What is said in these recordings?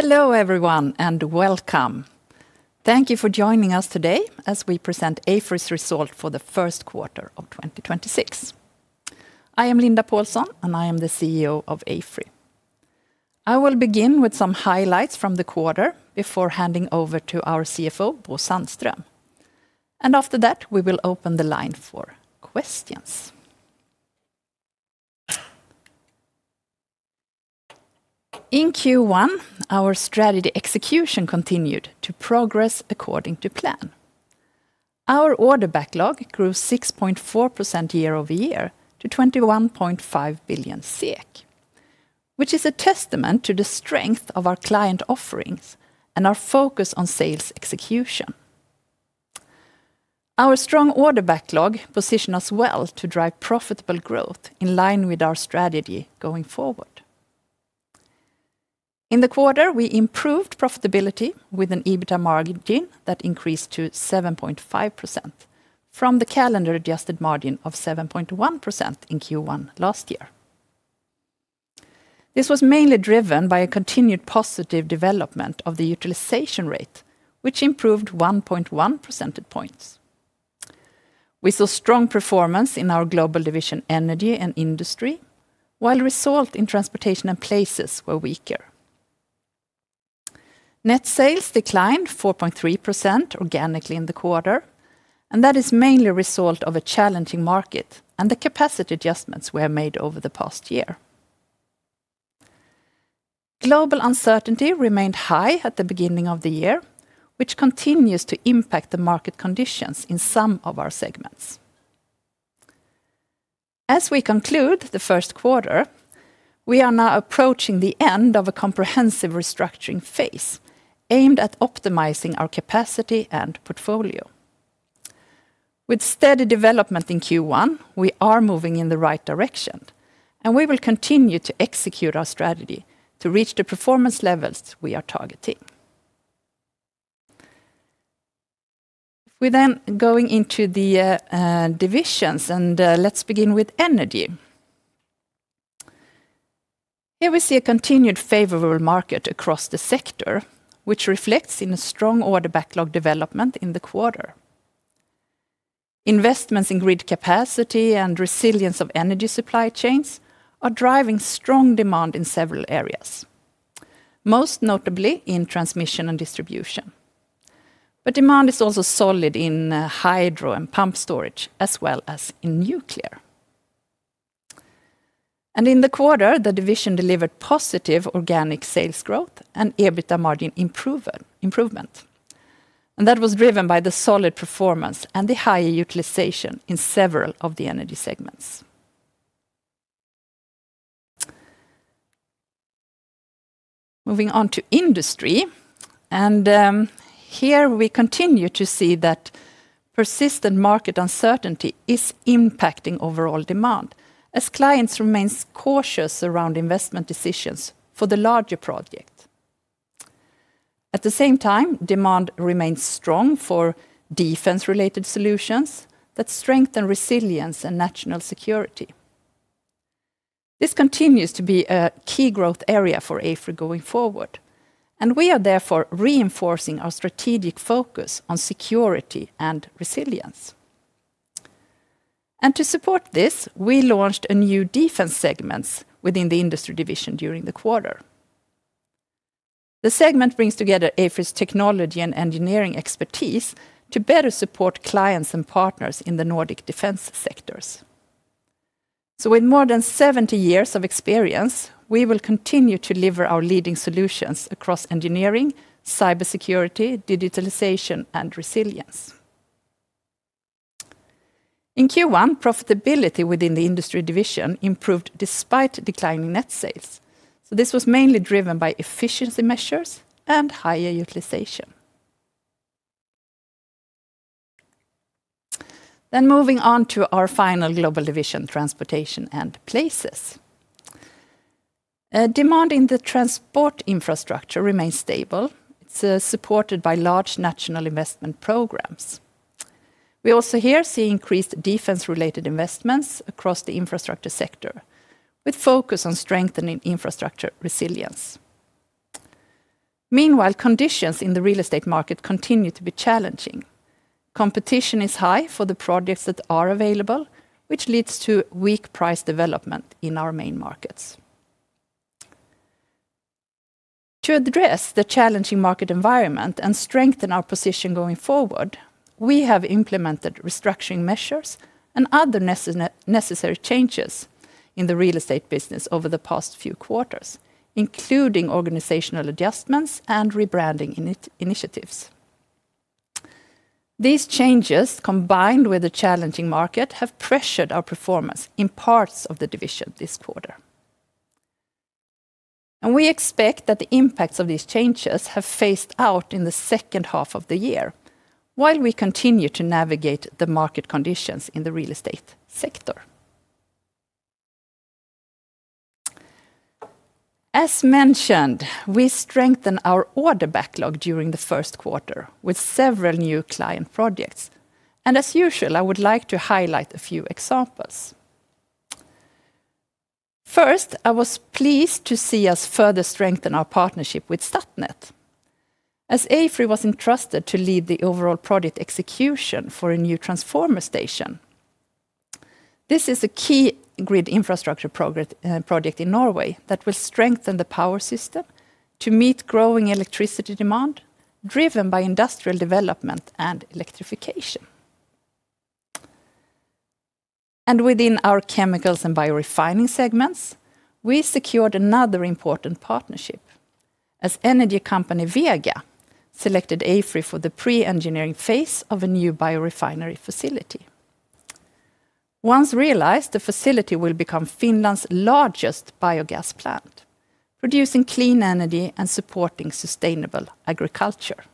Hello everyone, and welcome. Thank you for joining us today as we present AFRY's result for the first quarter of 2026. I am Linda Pålsson, and I am the CEO of AFRY. I will begin with some highlights from the quarter before handing over to our CFO, Bo Sandström. After that, we will open the line for questions. In Q1, our strategy execution continued to progress according to plan. Our order backlog grew 6.4% year-over-year to 21.5 billion SEK, which is a testament to the strength of our client offerings and our focus on sales execution. Our strong order backlog position us well to drive profitable growth in line with our strategy going forward. In the quarter, we improved profitability with an EBITDA margin that increased to 7.5% from the calendar-adjusted margin of 7.1% in Q1 last year. This was mainly driven by a continued positive development of the utilization rate, which improved 1.1 percentage points. We saw strong performance in our global division, Energy and Industry, while results in Transportation & Places were weaker. Net sales declined 4.3% organically in the quarter, and that is mainly a result of a challenging market and the capacity adjustments we have made over the past year. Global uncertainty remained high at the beginning of the year, which continues to impact the market conditions in some of our segments. As we conclude the first quarter, we are now approaching the end of a comprehensive restructuring phase aimed at optimizing our capacity and portfolio. With steady development in Q1, we are moving in the right direction, and we will continue to execute our strategy to reach the performance levels we are targeting. If we then going into the divisions, let's begin with Energy. Here, we see a continued favorable market across the sector, which reflects in a strong order backlog development in the quarter. Investments in grid capacity and resilience of energy supply chains are driving strong demand in several areas, most notably in transmission and distribution. Demand is also solid in hydro and pump storage, as well as in nuclear. In the quarter, the division delivered positive organic sales growth and EBITDA margin improvement. That was driven by the solid performance and the higher utilization in several of the Energy segments. Moving on to Industry, here we continue to see that persistent market uncertainty is impacting overall demand as clients remain cautious around investment decisions for the larger project. At the same time, demand remains strong for defense-related solutions that strengthen resilience and national security. This continues to be a key growth area for AFRY going forward, and we are therefore reinforcing our strategic focus on security and resilience. To support this, we launched a new defense segment within the Industry division during the quarter. The segment brings together AFRY's technology and engineering expertise to better support clients and partners in the Nordic defense sectors. With more than 70 years of experience, we will continue to deliver our leading solutions across engineering, cybersecurity, digitalization, and resilience. In Q1, profitability within the Industry division improved despite declining net sales. This was mainly driven by efficiency measures and higher utilization. Moving on to our final global division, Transportation & Places. Demand in the transport infrastructure remains stable. It's supported by large national investment programs. We also here see increased defense-related investments across the infrastructure sector, with focus on strengthening infrastructure resilience. Meanwhile, conditions in the real estate market continue to be challenging. Competition is high for the projects that are available, which leads to weak price development in our main markets. To address the challenging market environment and strengthen our position going forward, we have implemented restructuring measures and other necessary changes in the real estate business over the past few quarters, including organizational adjustments and rebranding initiatives. These changes, combined with the challenging market, have pressured our performance in parts of the division this quarter. We expect that the impacts of these changes have phased out in the second half of the year while we continue to navigate the market conditions in the real estate sector. As mentioned, we strengthen our order backlog during the first quarter with several new client projects. As usual, I would like to highlight a few examples. First, I was pleased to see us further strengthen our partnership with Statnett as AFRY was entrusted to lead the overall project execution for a new transformer station. This is a key grid infrastructure project in Norway that will strengthen the power system to meet growing electricity demand driven by industrial development and electrification. Within our chemicals and biorefining segments, we secured another important partnership as energy company Wega selected AFRY for the pre-engineering phase of a new biorefinery facility. Once realized, the facility will become Finland's largest biogas plant, producing clean energy and supporting sustainable agriculture.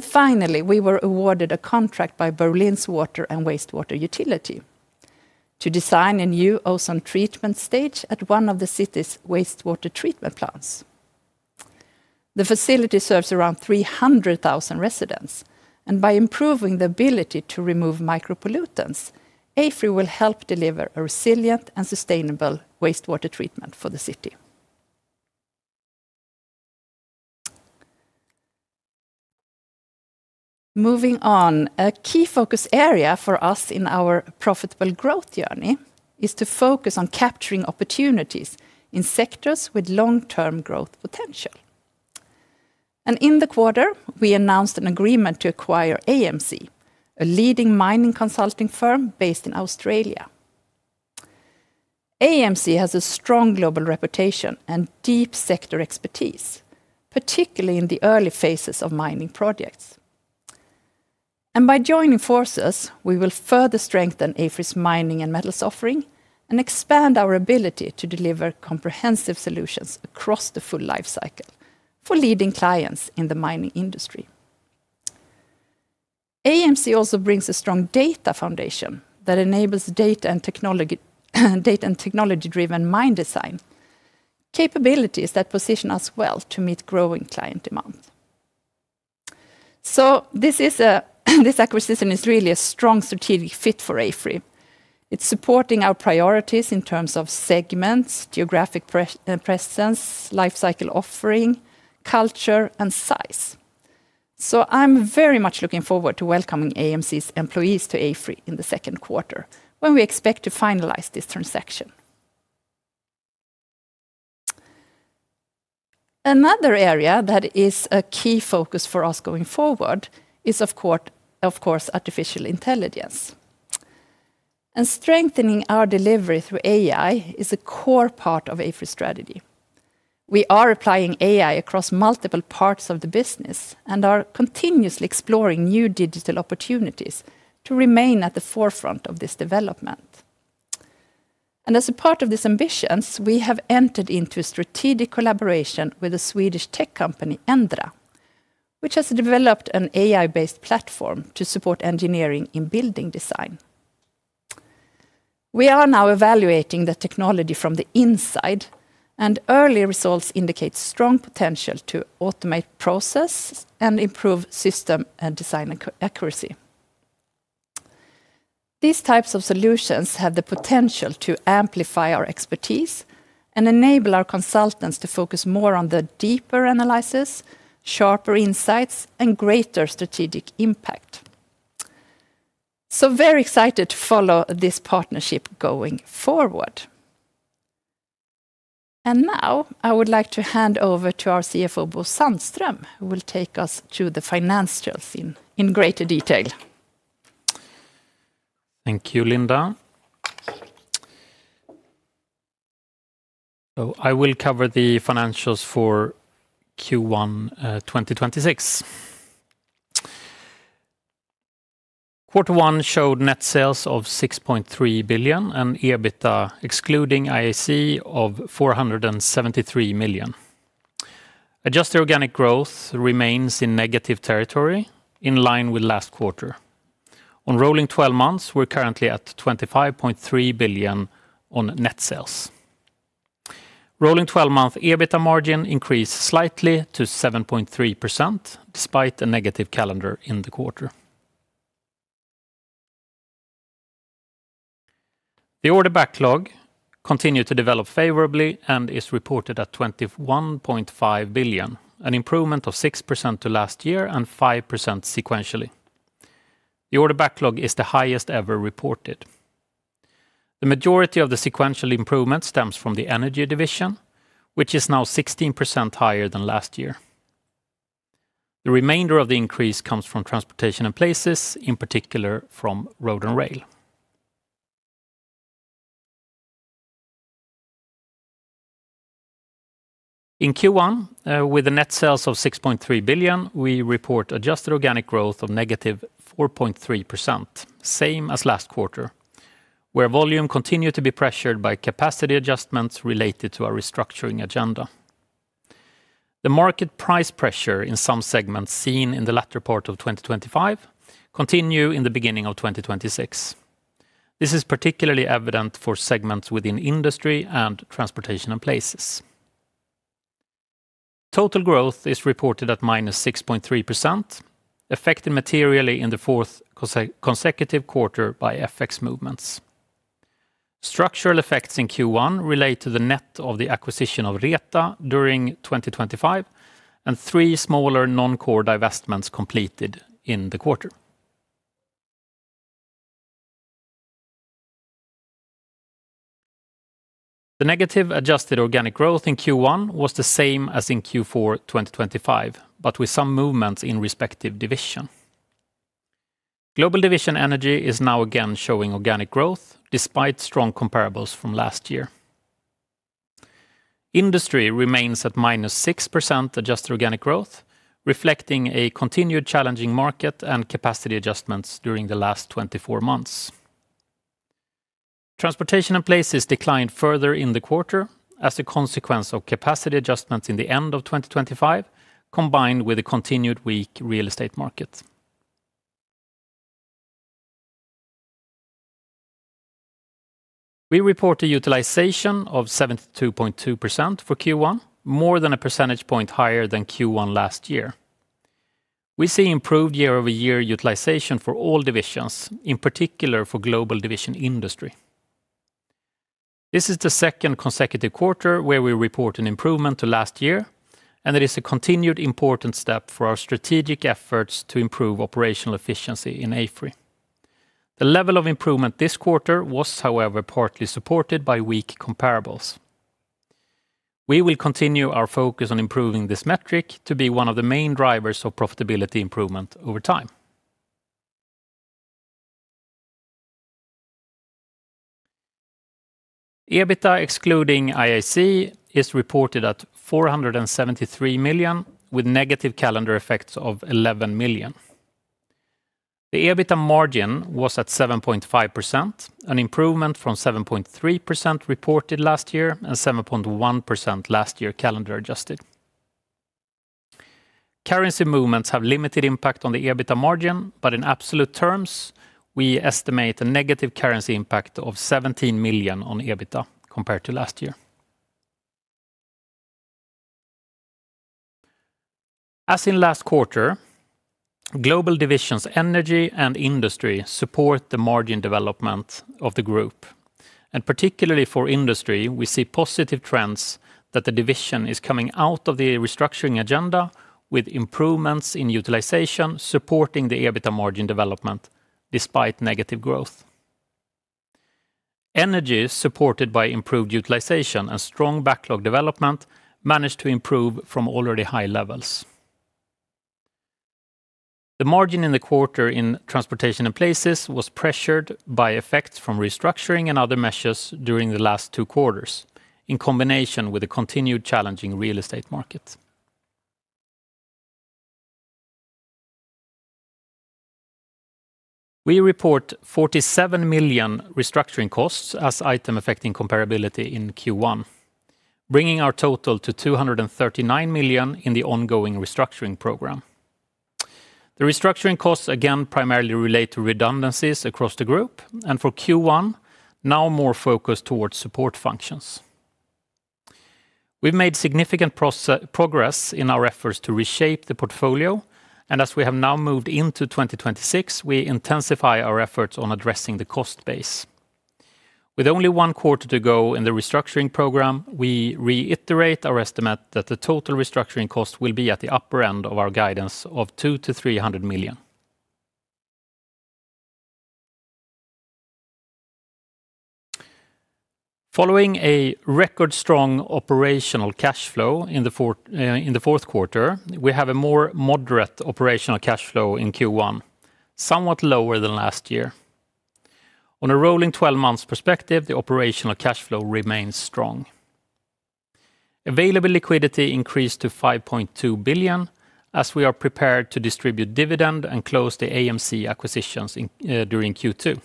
Finally, we were awarded a contract by Berlin's water and wastewater utility to design a new ozone treatment stage at one of the city's wastewater treatment plants. The facility serves around 300,000 residents, and by improving the ability to remove micropollutants, AFRY will help deliver a resilient and sustainable wastewater treatment for the city. Moving on, a key focus area for us in our profitable growth journey is to focus on capturing opportunities in sectors with long-term growth potential. In the quarter, we announced an agreement to acquire AMC, a leading mining consulting firm based in Australia. AMC has a strong global reputation and deep sector expertise, particularly in the early phases of mining projects. By joining forces, we will further strengthen AFRY's mining and metals offering and expand our ability to deliver comprehensive solutions across the full life cycle for leading clients in the mining industry. AMC also brings a strong data foundation that enables data and technology-driven mine design, capabilities that position us well to meet growing client demand. This acquisition is really a strong strategic fit for AFRY. It's supporting our priorities in terms of segments, geographic presence, life cycle offering, culture, and size. I'm very much looking forward to welcoming AMC's employees to AFRY in the second quarter when we expect to finalize this transaction. Another area that is a key focus for us going forward is of course artificial intelligence. Strengthening our delivery through AI is a core part of AFRY strategy. We are applying AI across multiple parts of the business and are continuously exploring new digital opportunities to remain at the forefront of this development. As a part of these ambitions, we have entered into a strategic collaboration with a Swedish tech company, Endra, which has developed an AI-based platform to support engineering in building design. We are now evaluating the technology from the inside, and early results indicate strong potential to automate process and improve system and design accuracy. These types of solutions have the potential to amplify our expertise and enable our consultants to focus more on the deeper analysis, sharper insights, and greater strategic impact. So, very excited to follow this partnership going forward. Now I would like to hand over to our CFO, Bo Sandström, who will take us through the financials in greater detail. Thank you, Linda. I will cover the financials for Q1 2026. Quarter one showed net sales of 6.3 billion and EBITDA excluding IAC of 473 million. Adjusted organic growth remains in negative territory in line with last quarter. On rolling 12 months, we're currently at 25.3 billion on net sales. Rolling 12-month EBITDA margin increased slightly to 7.3% despite a negative calendar in the quarter. The order backlog continued to develop favorably and is reported at 21.5 billion, an improvement of 6% to last year and 5% sequentially. The order backlog is the highest ever reported. The majority of the sequential improvement stems from the Energy division, which is now 16% higher than last year. The remainder of the increase comes from Transportation & Places, in particular from road and rail. In Q1, with the net sales of 6.3 billion, we report adjusted organic growth of -4.3%, same as last quarter, where volume continued to be pressured by capacity adjustments related to our restructuring agenda. The market price pressure in some segments seen in the latter part of 2025 continue in the beginning of 2026. This is particularly evident for segments within Industry and Transportation & Places. Total growth is reported at -6.3%, affected materially in the fourth consecutive quarter by FX movements. Structural effects in Q1 relate to the net of the acquisition of Reta during 2025, and three smaller non-core divestments completed in the quarter. The negative adjusted organic growth in Q1 was the same as in Q4 2025, but with some movements in respective division. Global division Energy is now again showing organic growth despite strong comparables from last year. Industry remains at -6% adjusted organic growth, reflecting a continued challenging market and capacity adjustments during the last 24 months. Transportation & Places declined further in the quarter as a consequence of capacity adjustments in the end of 2025, combined with a continued weak real estate market. We report a utilization of 72.2% for Q1, more than a percentage point higher than Q1 last year. We see improved year-over-year utilization for all divisions, in particular for global division Industry. This is the second consecutive quarter where we report an improvement to last year, and it is a continued important step for our strategic efforts to improve operational efficiency in AFRY. The level of improvement this quarter was, however, partly supported by weak comparables. We will continue our focus on improving this metric to be one of the main drivers of profitability improvement over time. EBITDA excluding IAC is reported at 473 million, with negative calendar effects of 11 million. The EBITDA margin was at 7.5%, an improvement from 7.3% reported last year and 7.1% last year calendar adjusted. Currency movements have limited impact on the EBITDA margin, but in absolute terms, we estimate a negative currency impact of 17 million on EBITDA compared to last year. As in last quarter, the global divisions Energy and Industry support the margin development of the group, and particularly for Industry, we see positive trends that the division is coming out of the restructuring agenda with improvements in utilization, supporting the EBITDA margin development despite negative growth. Energy, supported by improved utilization and strong backlog development, managed to improve from already high levels. The margin in the quarter in Transportation & Places was pressured by effects from restructuring and other measures during the last two quarters, in combination with the continued challenging real estate market. We report 47 million restructuring costs as item affecting comparability in Q1, bringing our total to 239 million in the ongoing restructuring program. The restructuring costs again primarily relate to redundancies across the group, and for Q1, now more focused towards support functions. We've made significant progress in our efforts to reshape the portfolio, and as we have now moved into 2026, we intensify our efforts on addressing the cost base. With only one quarter to go in the restructuring program, we reiterate our estimate that the total restructuring cost will be at the upper end of our guidance of 200 million-300 million. Following a record strong operational cash flow in the fourth quarter, we have a more moderate operational cash flow in Q1, somewhat lower than last year. On a rolling 12 months perspective, the operational cash flow remains strong. Available liquidity increased to 5.2 billion, as we are prepared to distribute dividend and close the AMC acquisitions during Q2.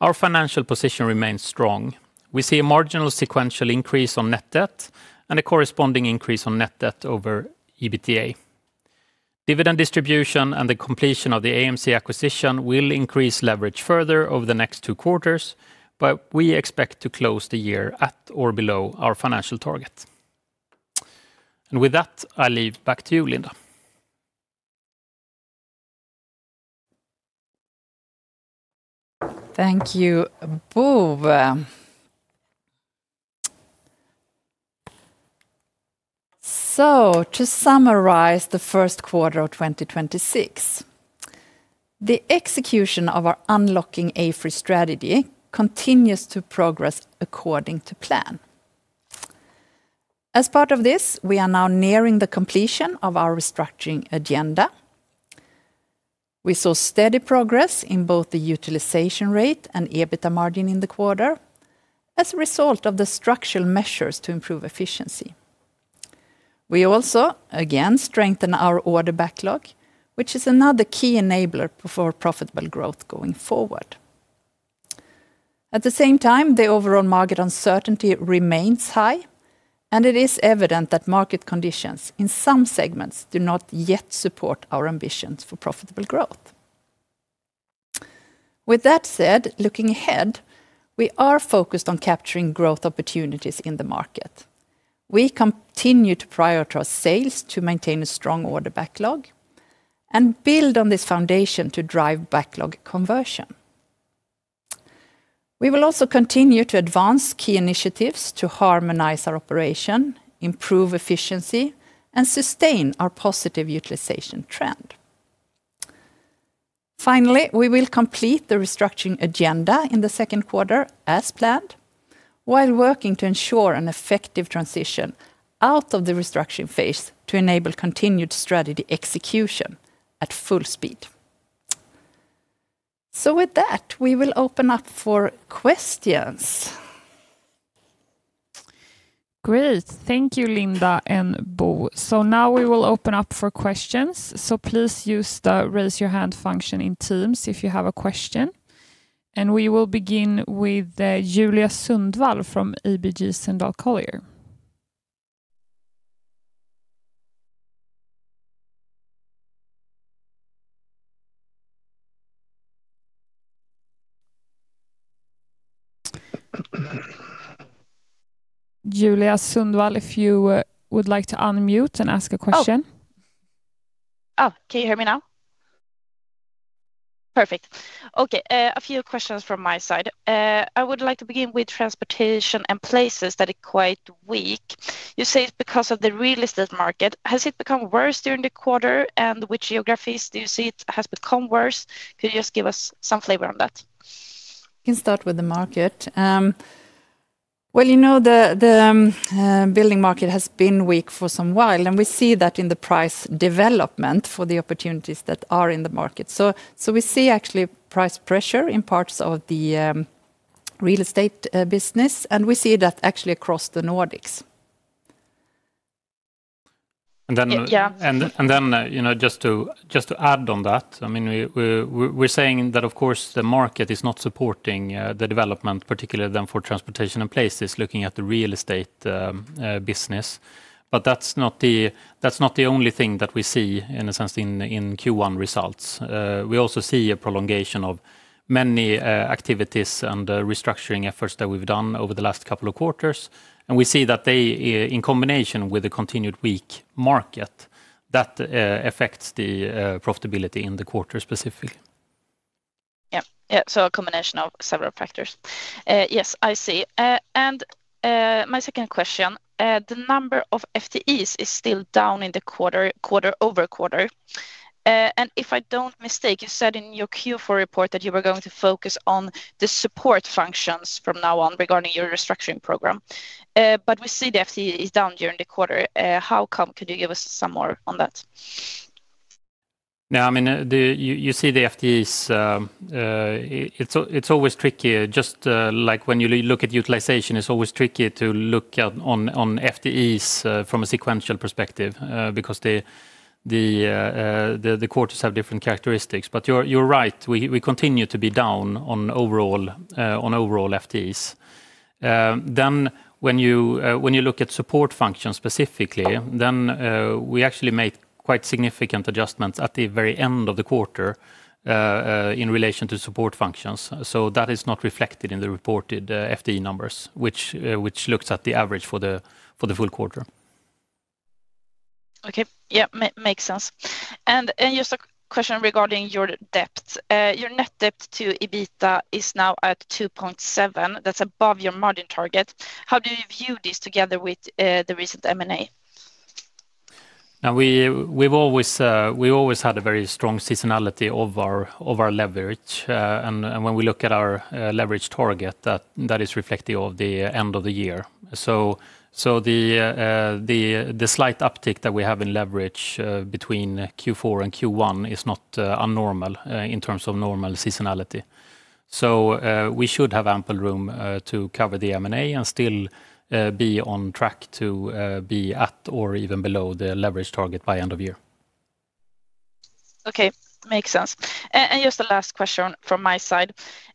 Our financial position remains strong. We see a marginal sequential increase in net debt and a corresponding increase in net debt over EBITDA. Dividend distribution and the completion of the AMC acquisition will increase leverage further over the next two quarters, but we expect to close the year at or below our financial target. With that, I leave back to you, Linda. Thank you, Bo. To summarize the first quarter of 2026, the execution of our Unlocking AFRY strategy continues to progress according to plan. As part of this, we are now nearing the completion of our restructuring agenda. We saw steady progress in both the utilization rate and EBITDA margin in the quarter as a result of the structural measures to improve efficiency. We also, again, strengthen our order backlog, which is another key enabler for profitable growth going forward. At the same time, the overall market uncertainty remains high, and it is evident that market conditions in some segments do not yet support our ambitions for profitable growth. With that said, looking ahead, we are focused on capturing growth opportunities in the market. We continue to prioritize sales to maintain a strong order backlog and build on this foundation to drive backlog conversion. We will also continue to advance key initiatives to harmonize our operation, improve efficiency, and sustain our positive utilization trend. Finally, we will complete the restructuring agenda in the second quarter as planned, while working to ensure an effective transition out of the restructuring phase to enable continued strategy execution at full speed. With that, we will open up for questions. Great. Thank you, Linda and Bo. Now we will open up for questions. Please use the Raise Your Hand function in Teams if you have a question. We will begin with Julia Sundvall from ABG Sundal Collier. Julia Sundvall, if you would like to unmute and ask a question. Oh. Oh, can you hear me now? Perfect. Okay, a few questions from my side. I would like to begin with Transportation & Places that are quite weak. You say it's because of the real estate market. Has it become worse during the quarter? And which geographies do you see it has become worse? Could you just give us some flavor on that? I can start with the market. Well, you know, the building market has been weak for some time, and we see that in the price development for the opportunities that are in the market. We see actually price pressure in parts of the real estate business, and we see that actually across the Nordics. Yeah. You know, just to add on that, I mean, we're saying that, of course, the market is not supporting the development, particularly then for Transportation & Places looking at the real estate business. That's not the only thing that we see in a sense in Q1 results. We also see a prolongation of many activities and restructuring efforts that we've done over the last couple of quarters. We see that they, in combination with the continued weak market, that affects the profitability in the quarter specifically. Yeah, yeah. A combination of several factors. Yes, I see. My second question, the number of FTEs is still down quarter-over-quarter. If I'm not mistaken, you said in your Q4 report that you were going to focus on the support functions from now on regarding your restructuring program. We see the FTE is down during the quarter. How come? Could you give us some more on that? No, I mean, you see the FTEs, it's always tricky just, like when you look at utilization, it's always tricky to look at on FTEs from a sequential perspective, because the quarters have different characteristics. You're right. We continue to be down on overall FTEs. Then when you look at support functions specifically, we actually made quite significant adjustments at the very end of the quarter in relation to support functions. That is not reflected in the reported FTE numbers, which looks at the average for the full quarter. Okay. Yeah, makes sense. Just a question regarding your debt. Your net debt-to-EBITDA is now at 2.7x. That's above your margin target. How do you view this together with the recent M&A? We've always had a very strong seasonality of our leverage. When we look at our leverage target, that is reflective of the end of the year. The slight uptick that we have in leverage between Q4 and Q1 is not abnormal in terms of normal seasonality. We should have ample room to cover the M&A and still be on track to be at or even below the leverage target by end of year. Okay. Makes sense. Just a last question from my side,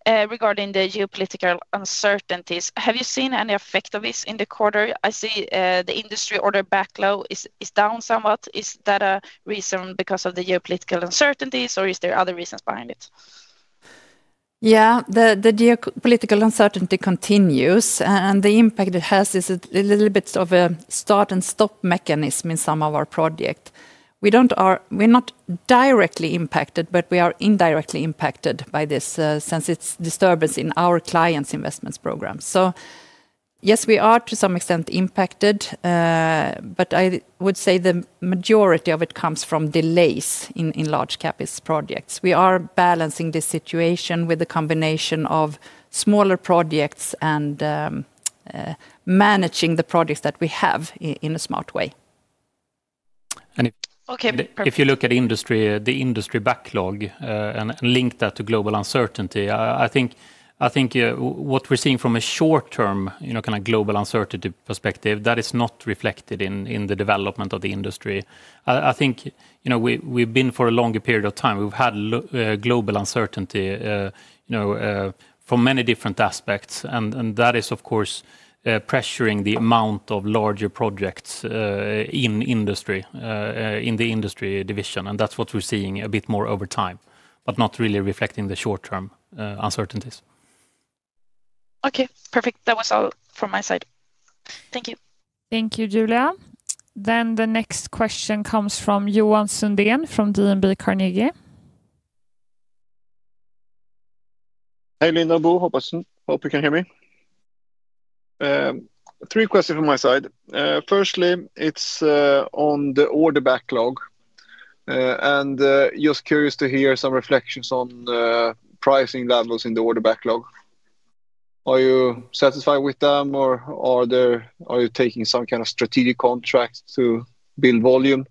regarding the geopolitical uncertainties. Have you seen any effect of this in the quarter? I see, the Industry order backlog is down somewhat. Is that a reason because of the geopolitical uncertainties, or is there other reasons behind it? Yeah. The geopolitical uncertainty continues, and the impact it has is a little bit of a start-and-stop mechanism in some of our projects. We're not directly impacted, but we are indirectly impacted by this, since it's disturbance in our clients' investment programs. Yes, we are to some extent impacted. But I would say the majority of it comes from delays in large CapEx projects. We are balancing the situation with a combination of smaller projects and managing the projects that we have in a smart way. And if. Okay. Perfect. If you look at Industry, the Industry backlog, and link that to global uncertainty, I think what we're seeing from a short term, you know, kind of global uncertainty perspective, that is not reflected in the development of the Industry. I think, you know, we've been for a longer period of time, we've had global uncertainty, you know, from many different aspects. That is of course pressuring the amount of larger projects in Industry, in the Industry division. That's what we're seeing a bit more over time but not really reflecting the short-term uncertainties. Okay, perfect. That was all from my side. Thank you. Thank you, Julia. The next question comes from Johan Sundén from DNB Carnegie. Hey, Linda, Bo. Hope you can hear me. Three questions from my side. Firstly, it's on the order backlog. Just curious to hear some reflections on pricing levels in the order backlog. Are you satisfied with them, or are you taking some kind of strategic contracts to build volume?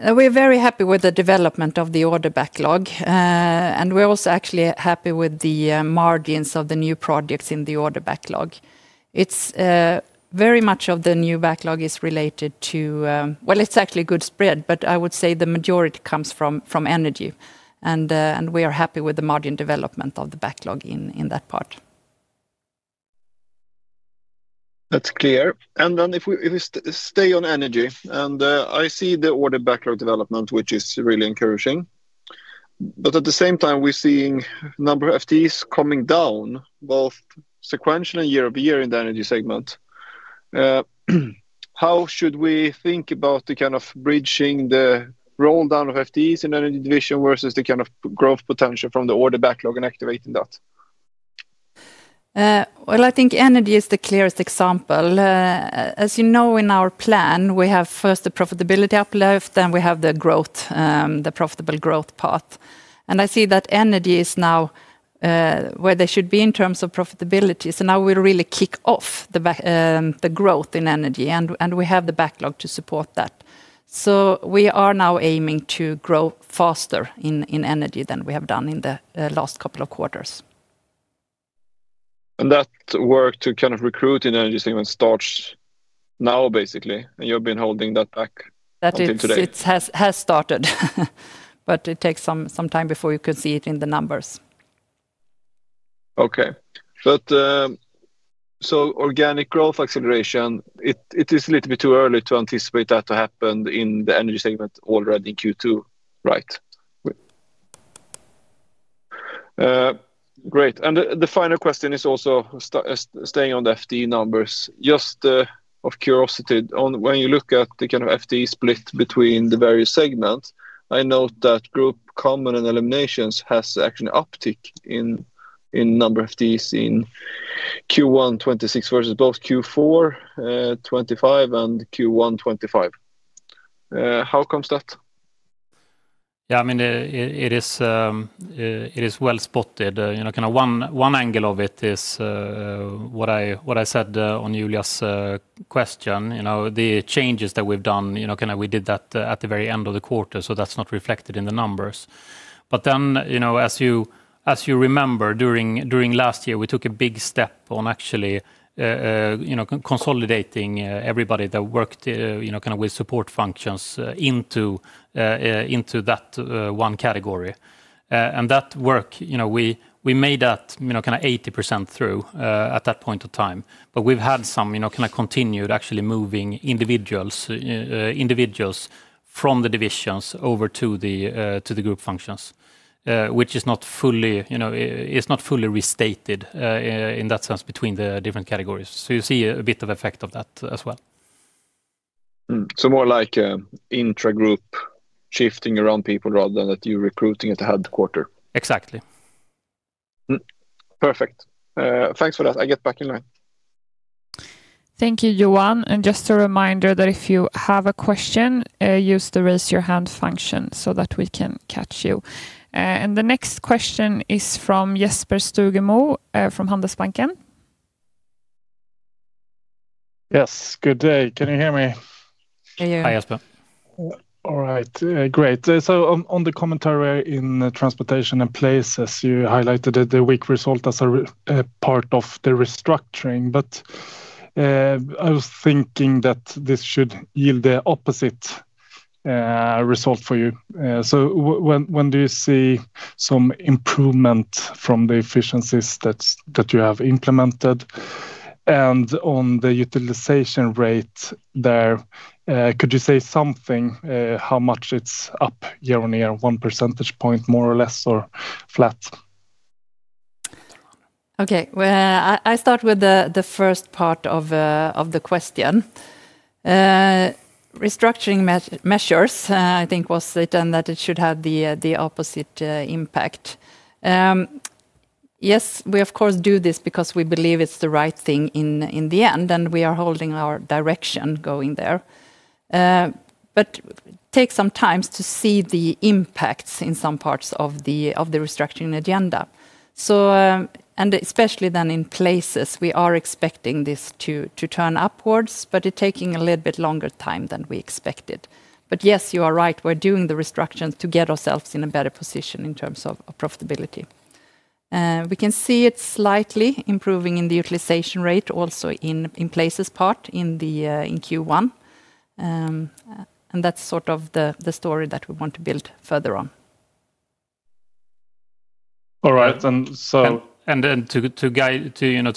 We're very happy with the development of the order backlog. We're also actually happy with the margins of the new projects in the order backlog. It's very much of the new backlog is related to. Well, it's actually a good spread, but I would say the majority comes from Energy. We are happy with the margin development of the backlog in that part. That's clear. If we stay on Energy, and I see the order backlog development, which is really encouraging. At the same time, we're seeing number of FTEs coming down, both sequentially year-over-year in the Energy segment. How should we think about the kind of bridging the roll down of FTEs in Energy division versus the kind of growth potential from the order backlog and activating that? Well, I think Energy is the clearest example. As you know, in our plan, we have first the profitability uplift, then we have the growth, the profitable growth path. I see that Energy is now where they should be in terms of profitability. Now we really kick off the growth in Energy, and we have the backlog to support that. We are now aiming to grow faster in Energy than we have done in the last couple of quarters. That work to kind of recruit in Energy segment starts now, basically. You've been holding that back until today. That it has started. It takes some time before you can see it in the numbers. Okay. So, organic growth acceleration, it is a little bit too early to anticipate that to happen in the Energy segment already in Q2, right? Great. The final question is also staying on the FTE numbers. Just, of curiosity on when you look at the kind of FTE split between the various segments, I know that group common and eliminations has actually an uptick in number of FTEs in Q1 2026 versus both Q4 2025 and Q1 2025. How come that? Yeah, I mean, it is well spotted. You know, kind of one angle of it is what I said on Julia's question. You know, the changes that we've done, you know, kind of we did that at the very end of the quarter, so that's not reflected in the numbers. You know, as you remember, during last year, we took a big step on actually, you know, consolidating everybody that worked, you know, kind of with support functions, into that one category. That work, you know, we made that, you know, kind of 80% through at that point of time. We've had some, you know, kind of continued actually moving individuals from the divisions over to the group functions. Which is not fully, you know, it's not fully restated in that sense between the different categories. You see a bit of effect of that as well. So, more like, intra-group shifting around people rather than that you're recruiting at the headquarters? Exactly. Perfect. Thanks for that. I get back in line. Thank you, Johan. Just a reminder that if you have a question, use the Raise Your Hand function so that we can catch you. The next question is from Jesper Stugemo from Handelsbanken. Yes. Good day. Can you hear me? Yeah. Hi, Jesper. All right. Great. On the commentary in Transportation & Places, you highlighted the weak result as a part of the restructuring. I was thinking that this should yield the opposite result for you. When do you see some improvement from the efficiencies that you have implemented? And on the utilization rate there, could you say something, how much it's up year-on-year, 1 percentage point more or less, or flat? Okay. Well, I start with the first part of the question. Restructuring measures, I think it was written that it should have the opposite impact. Yes, we of course do this because we believe it's the right thing in the end, and we are holding our direction going there. It takes some time to see the impacts in some parts of the restructuring agenda. Especially then in Places, we are expecting this to turn upwards, but it's taking a little bit longer time than we expected. Yes, you are right. We're doing the restructuring to get ourselves in a better position in terms of profitability. We can see it slightly improving in the utilization rate also in Places part in Q1. That's sort of the story that we want to build further on. All right. To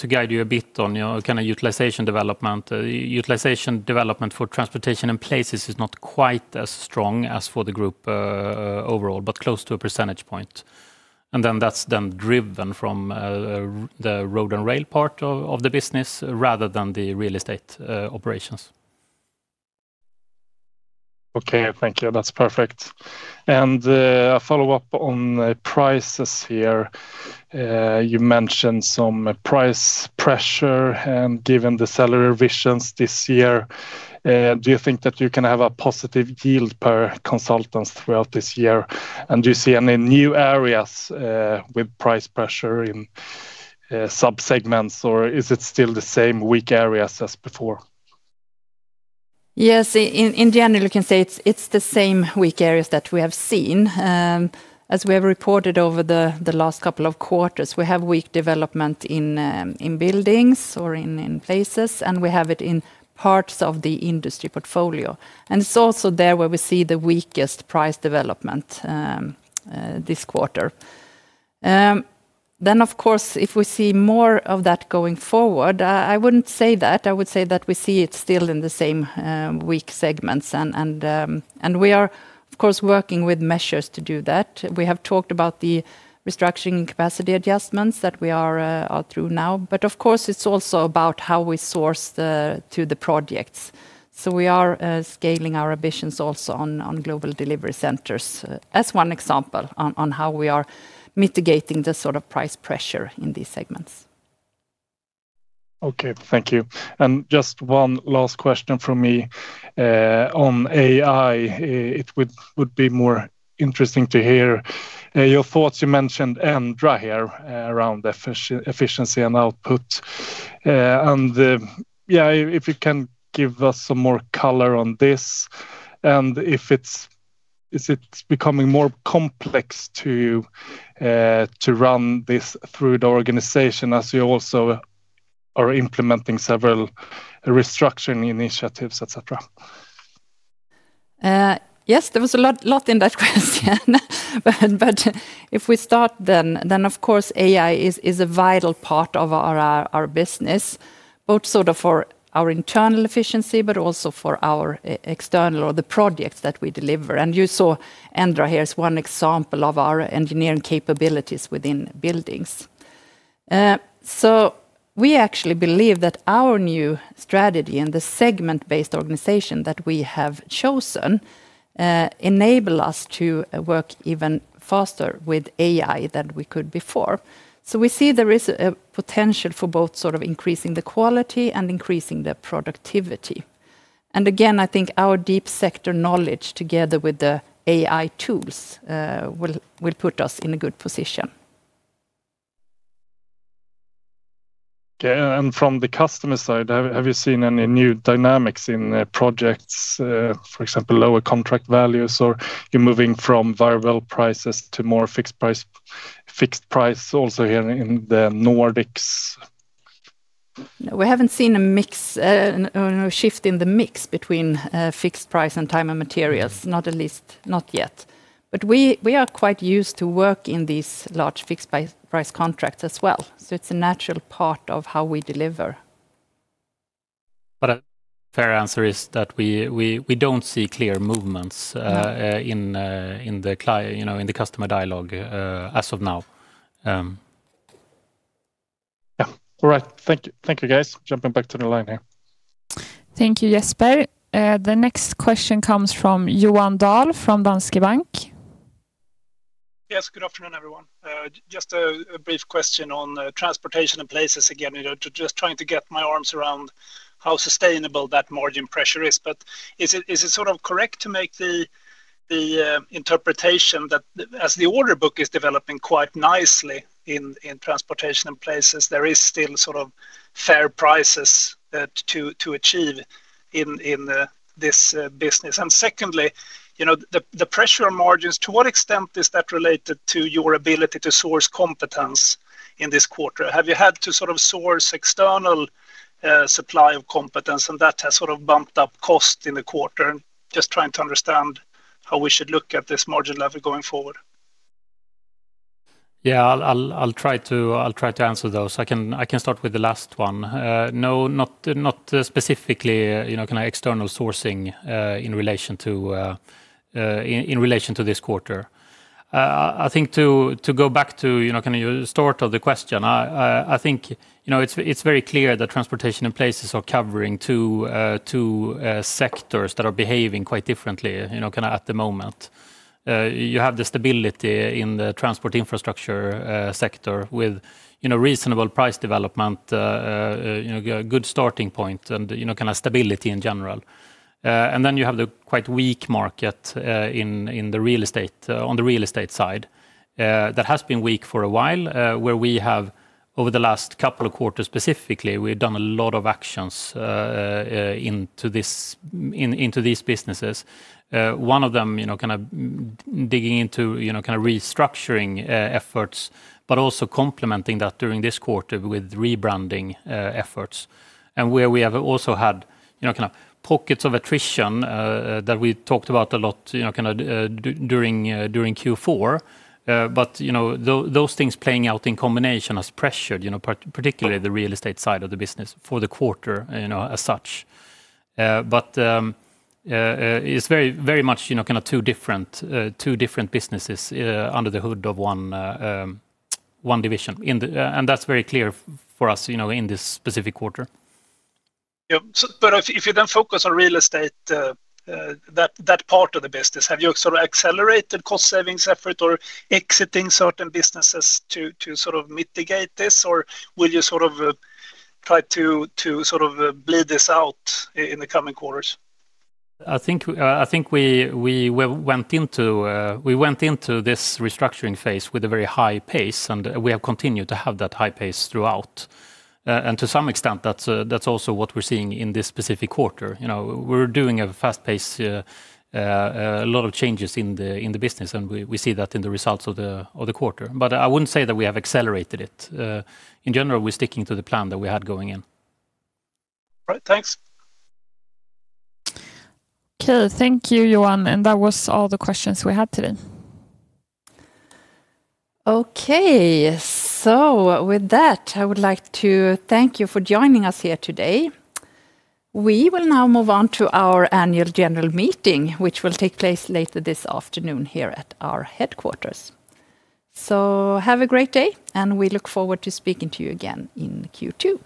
guide you a bit on, you know, kind of utilization development. Utilization development for Transportation & Places is not quite as strong as for the group overall, but close to 1 percentage point. That's driven from the road and rail part of the business rather than the real estate operations. Okay. Thank you. That's perfect. A follow-up on prices here. You mentioned some price pressure and given the [sell revisions] this year, do you think that you can have a positive yield per consultant throughout this year? And do you see any new areas with price pressure in sub-segments or is it still the same weak areas as before? Yes. In general, you can say it's the same weak areas that we have seen. As we have reported over the last couple of quarters, we have weak development in buildings or in places, and we have it in parts of the Industry portfolio. It's also there where we see the weakest price development this quarter. Of course, if we see more of that going forward, I wouldn't say that. I would say that we see it still in the same weak segments. We are of course working with measures to do that. We have talked about the restructuring capacity adjustments that we are going through now, but of course it's also about how we source to the projects. We are scaling our ambitions also on global delivery centers as one example on how we are mitigating the sort of price pressure in these segments Okay. Thank you. Just one last question from me on AI. It would be more interesting to hear your thoughts. You mentioned Endra here around efficiency and output. Yeah, if you can give us some more color on this, and if it's becoming more complex to run this through the organization as you also are implementing several restructuring initiatives, et cetera? Yes, there was a lot in that question, but if we start then, then of course, AI is a vital part of our business, both sort of for our internal efficiency, but also for our external work or the projects that we deliver. You saw Endra here is one example of our engineering capabilities within buildings. We actually believe that our new strategy and the segment-based organization that we have chosen, enable us to work even faster with AI than we could before. We see there is a potential for both sort of increasing the quality and increasing the productivity. Again, I think our deep sector knowledge together with the AI tools will put us in a good position. Okay. From the customer side, have you seen any new dynamics in projects, for example, lower contract values or you're moving from variable prices to more fixed price also here in the Nordics? We haven't seen a mix, or a shift in the mix between fixed price and time and materials, not at least, not yet. We are quite used to work in these large fixed price contracts as well. It's a natural part of how we deliver. A fair answer is that we don't see clear movements. No. In the customer dialogue, you know, as of now. Yeah. All right. Thank you. Thank you, guys. Jumping back to the line here. Thank you, Jesper. The next question comes from Johan Dahl from Danske Bank. Yes. Good afternoon, everyone. Just a brief question on Transportation & Places, again, you know, to just trying to get my arms around how sustainable that margin pressure is. Is it sort of correct to make the interpretation that as the order book is developing quite nicely in Transportation & Places, there is still sort of fair prices to achieve in this business? Secondly, you know, the pressure margin, to what extent is that related to your ability to source competence in this quarter? Have you had to sort of source external supply of competence and that has sort of bumped up cost in the quarter? Just trying to understand how we should look at this margin level going forward. Yeah. I'll try to answer those. I can start with the last one. No, not specifically, you know, kind of external sourcing in relation to this quarter. I think to go back to, you know, kind of the start of the question, I think, you know, it's very clear that Transportation & Places are covering two sectors that are behaving quite differently, you know, kind of at the moment. You have the stability in the transport infrastructure sector with, you know, reasonable price development, you know, a good starting point and, you know, kind of stability in general. You have the quite weak market in the real estate, on the real estate side, that has been weak for a while, where we have, over the last couple of quarters specifically, we've done a lot of actions into these businesses. One of them, you know, kind of digging into, you know, kind of restructuring efforts, but also complementing that during this quarter with rebranding efforts. Where we have also had, you know, kind of pockets of attrition that we talked about a lot, you know, kind of during Q4. Those things playing out in combination has pressured particularly the real estate side of the business for the quarter, you know, as such. It's very much, you know, kind of two different businesses under the hood of one division, and that's very clear for us, you know, in this specific quarter. Yeah. If you then focus on real estate, that part of the business, have you sort of accelerated cost savings effort or exiting certain businesses to sort of mitigate this? Or will you sort of try to sort of bleed this out in the coming quarters? I think we went into this restructuring phase with a very high pace, and we have continued to have that high pace throughout. To some extent, that's also what we're seeing in this specific quarter. You know, we're doing a fast pace, a lot of changes in the business, and we see that in the results of the quarter. I wouldn't say that we have accelerated it. In general, we're sticking to the plan that we had going in. Right. Thanks. Okay, thank you, Johan. That was all the questions we had today. Okay. With that, I would like to thank you for joining us here today. We will now move on to our Annual General Meeting, which will take place later this afternoon here at our headquarters. Have a great day, and we look forward to speaking to you again in Q2.